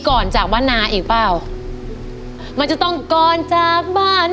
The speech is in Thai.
ไม่เจ็บเลยแจ้งช้าที่นั้น